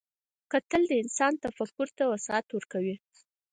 کتل د انسان تفکر ته وسعت ورکوي